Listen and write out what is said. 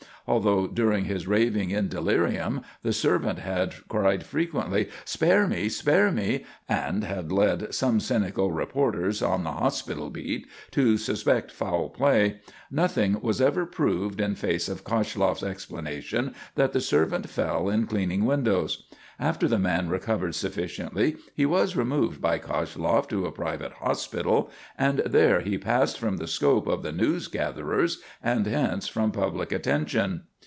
Although during his raving in delirium the servant had cried frequently "spare me! spare me!" and had led some cynical reporters on the hospital beat to suspect foul play, nothing was ever proved in face of Koshloff's explanation that the servant fell in cleaning windows. After the man recovered sufficiently, he was removed by Koshloff to a private hospital, and there he passed from the scope of the newsgatherers and hence from public attention.